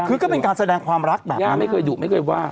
คือก็เป็นการแสดงความรักแบบย่าไม่เคยดุไม่เคยว่า